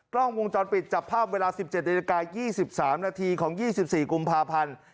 กล้องวงจรปิดจับภาพเวลา๑๗นาฬิกา๒๓นาทีของ๒๔กุมภาพันธ์